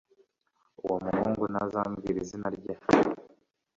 Uwo muhungu ntazambwira izina rye